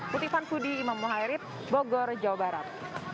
putri vanfudy imam mohairit bogor jawa barat